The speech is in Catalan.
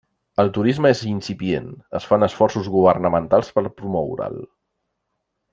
El turisme és incipient, es fan esforços governamentals per promoure'l.